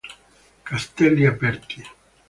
Castelli Aperti